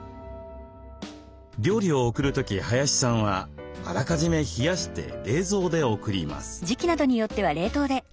料理を送る時林さんはあらかじめ冷やして冷蔵で送ります。